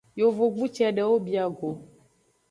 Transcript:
Yovogbu cedewo bia go.